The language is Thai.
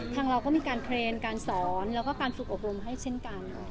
ทางเราก็มีการเทรนด์การสอนแล้วก็การฝึกอบรมให้เช่นกัน